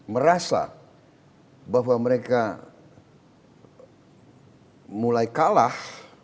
merasa bahwa mereka mulai kalah